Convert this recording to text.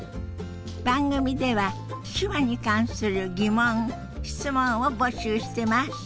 番組では手話に関する疑問質問を募集してます。